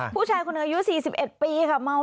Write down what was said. ผู้ชายคนอายุ๔๑ปีเมาเหล้า